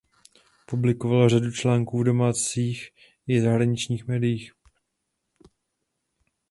Publikoval řadu článků v domácích i zahraničních médiích.